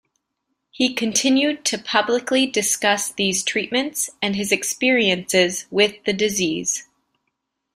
He continued to publicly discuss these treatments and his experiences with the disease.